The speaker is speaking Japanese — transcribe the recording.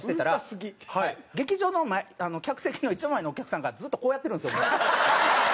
劇場の前客席の一番前のお客さんがずっとこうやってるんですよ。